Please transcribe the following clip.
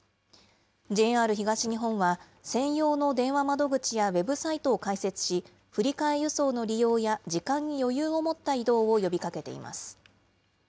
ＪＲ東日本は、専用の電話窓口やウェブサイトを開設し、振り替え輸送の利用や時間に余裕を持った移動を呼びかけています。